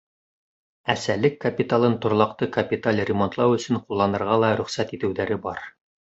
Әсәлек капиталын торлаҡты капиталь ремонтлау өсөн ҡулланырға ла рөхсәт итеүҙәре бар.